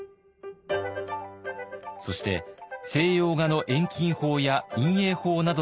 そして西洋画の遠近法や陰影法などの技術を取り入れ